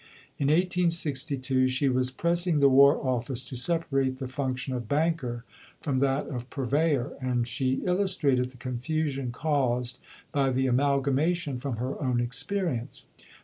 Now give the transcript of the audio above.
In 1862 she was pressing the War Office to separate the function of Banker from that of Purveyor, and she illustrated the confusion caused by the amalgamation from her own experience.